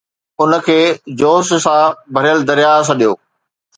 ان کي جوش سان ڀريل درياهه سڏيو